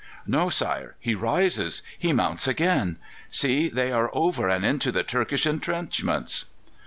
"No, sire; he rises he mounts again! See, they are over and into the Turkish entrenchments!"